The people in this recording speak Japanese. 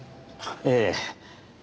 ええ。